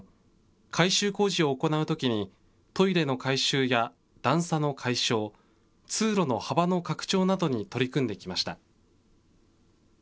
改修工事を行うときに、トイレの改修や段差の解消、通路の幅の拡張などに取り組んできました。